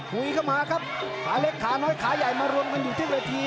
คุยเข้ามาครับขาเล็กขาน้อยขาใหญ่มารวมกันอยู่ที่เวที